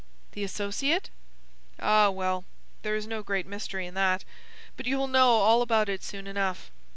"The associate?" "Ah, well, there is no great mystery in that. But you will know all about it soon enough.